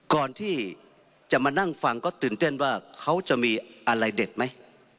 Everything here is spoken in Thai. ก่อนที่จะมานั่งฟังก็ตื่นเต้นว่าเขาจะมีอะไรเด็ดไหม